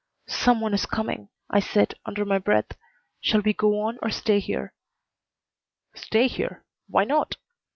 "Some one is coming," I said, under my breath. "Shall we go on or stay here?" "Stay here. Why not?"